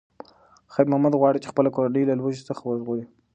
خیر محمد غواړي چې خپله کورنۍ له لوږې څخه وژغوري.